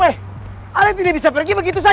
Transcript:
weh alat ini bisa pergi begitu saja eh